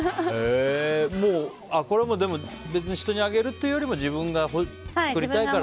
これは人にあげるってよりも自分が作りたいから？